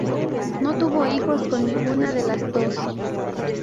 No tuvo hijos con ninguna de las dos.